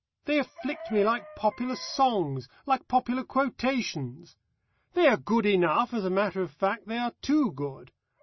They afflict me like popular songs like popular quotations. They are good enough as a matter of fact they are too good.